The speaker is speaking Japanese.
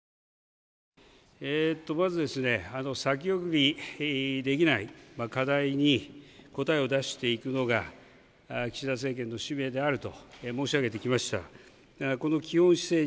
先送りできない課題に答えを出していくのが岸田政権の使命であると申し上げてきました。